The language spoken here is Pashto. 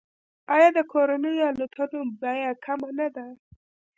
آیا د کورنیو الوتنو بیه کمه نه ده؟